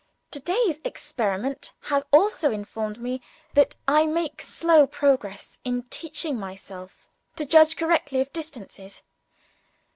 To day's experience has also informed me that I make slow progress in teaching myself to judge correctly of distances.